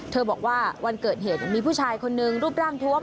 บอกว่าวันเกิดเหตุมีผู้ชายคนนึงรูปร่างทวม